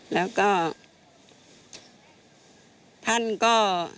แล้วก็ท่านก็